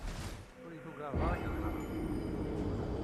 Ur yi-tugareḍ ara deg leḥram.